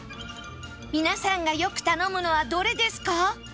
皆さんがよく頼むのはどれですか？